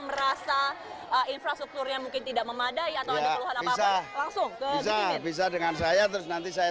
merasa infrastruktur yang mungkin tidak memadai atau langsung bisa dengan saya terus nanti saya